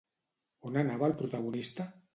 On anava el protagonista?